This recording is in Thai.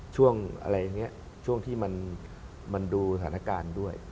ช่วงอะไรอย่างนี้ช่วงที่มันดูสถานการณ์ด้วย